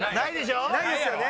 ないですよね？